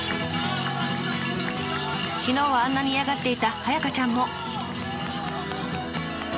昨日はあんなに嫌がってたはやかちゃんも。